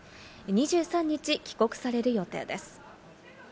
２３日帰国される予定されています。